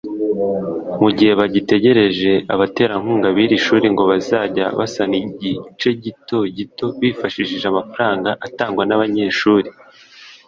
Mu gihe bagitegereje abaterankunga b’iri shuri ngo bazajya basana igice gito gito bifashishije amafaranga atangwa n’abanyeshuri